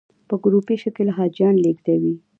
په ګروپي شکل حاجیان لېږدوي.